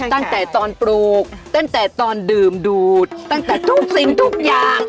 ตั้งแต่ตอนปลูกตั้งแต่ตอนดื่มดูดตั้งแต่ทุกสิ่งทุกอย่าง